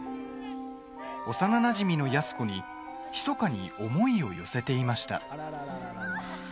幼なじみの安子にひそかに思いを寄せていました。